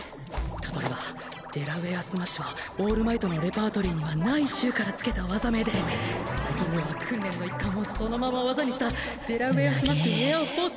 例えばデラウェアスマッシュはオールマイトのレパートリーにはない州からつけた技名で最近では訓練の一環をそのまま技にしたデラウェアスマッシュ・エアフォース。